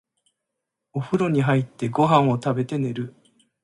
お風呂に入って、ご飯を食べて、寝る。